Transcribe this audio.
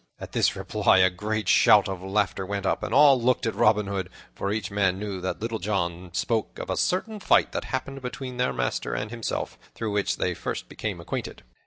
At this reply a great shout of laughter went up, and all looked at Robin Hood, for each man knew that Little John spake of a certain fight that happened between their master and himself, through which they first became acquainted.